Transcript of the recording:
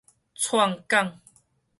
壯犅